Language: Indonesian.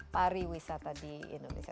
pariwisata di indonesia